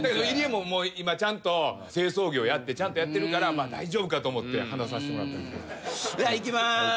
入江も今ちゃんと清掃業やってちゃんとやってるから大丈夫かと思って話させてもらったんです。